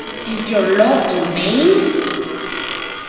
Is Your Love in Vain?